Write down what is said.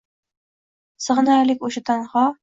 Sig’inaylik o’sha tanho